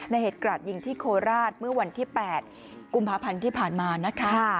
ในเหตุกระดาษยิ่งที่โคราชเมื่อแปดกุมภพันธ์ที่ผ่านมา